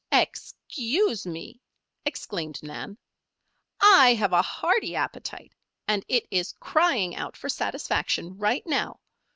"Ex cuse me!" exclaimed Nan. "I have a hearty appetite and it is crying out for satisfaction right now.